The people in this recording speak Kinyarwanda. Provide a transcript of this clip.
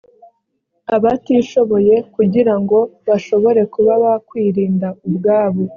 abatishoboye kugira ngo bashobore kuba bakwirinda ubwabo